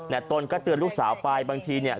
แต่ตนก็เตือนลูกสาวไปบางทีเนี่ย